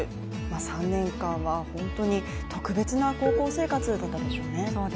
３年間は本当に特別な高校生活だったでしょうね。